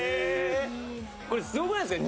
これ、すごくないですか？